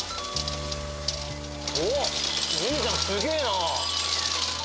おおっ兄ちゃんすげえな。